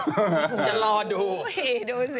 จะรอดูโอ้เฮดูสิ